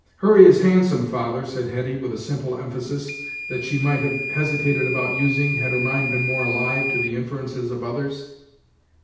"Hurry is handsome, father," said Hetty, with a simple emphasis, that she might have hesitated about using, had her mind been more alive to the inferences of others.